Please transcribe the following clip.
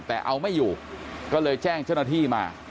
แต่เอาไม่อยู่ก็เลยแจ้งเจ้าหน้าที่มา